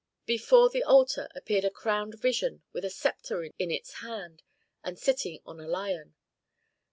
Before the altar appeared a crowned vision with a sceptre in its hand, and sitting on a lion.